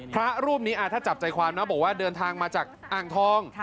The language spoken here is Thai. พระรูปนี้ถ้าจับใจความนะบอกว่าเดินทางมาจากอ่างทอง